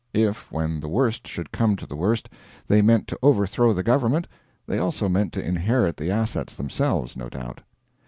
If, when the worst should come to the worst, they meant to overthrow the government, they also meant to inherit the assets themselves, no doubt.